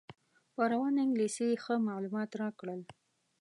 په روانه انګلیسي یې ښه معلومات راکړل.